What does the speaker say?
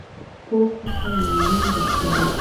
پوخ عقل ناورین درکوي